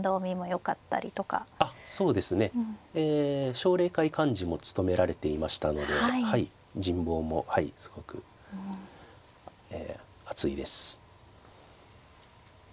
奨励会幹事も務められていましたので人望もはいすごく厚いです。